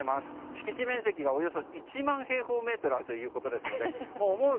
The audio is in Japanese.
敷地面積がおよそ１万平方メートルあるということなので思う